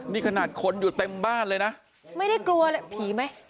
นี่ขนาดคนอยู่เต็มบ้านเลยนะไม่ได้กลัวเลยผีไหม